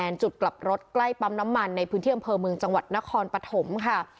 จุดกลับรถใกล้ปั๊มน้ำมันในพื้นที่อำเภอเมืองจังหวัดนครปฐมค่ะ